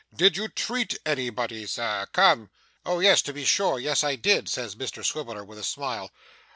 Did you treat anybody, sir? Come!' 'Oh yes, to be sure yes, I did,' says Mr Swiveller with a smile.